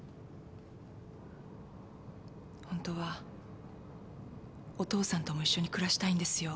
本当はお父さんとも一緒に暮らしたいんですよ。